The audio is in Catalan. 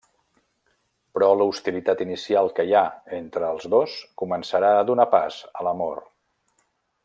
Però l'hostilitat inicial que hi ha entre els dos començarà a donar pas a l'amor.